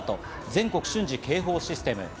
全国瞬時警報システム。